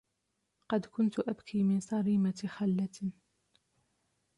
قد كنت أبكي من صريمة خلة